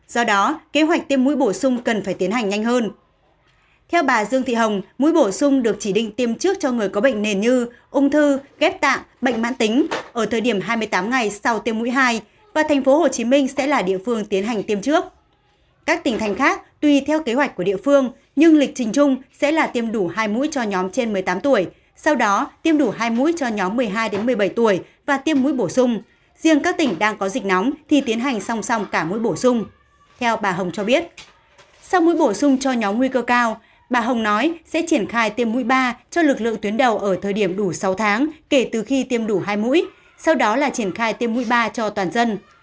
sau mũi bổ sung cho nhóm nguy cơ cao bà hồng nói sẽ triển khai tiêm mũi ba cho lực lượng tuyến đầu ở thời điểm đủ sáu tháng kể từ khi tiêm đủ hai mũi sau đó là triển khai tiêm mũi ba cho toàn dân